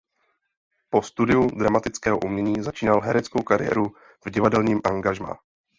Po studiu dramatického umění začínal hereckou kariéru v divadelním angažmá.